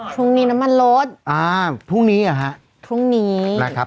ช่วงนี้น้ำมันลดอ่าพรุ่งนี้เหรอฮะพรุ่งนี้นะครับ